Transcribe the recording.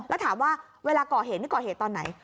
แล้วถามว่าเวลาก่อเหตุนี่ก่อเหตุตอนไหน